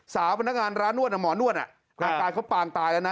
พนักงานร้านนวดหมอนวดอาการเขาปางตายแล้วนะ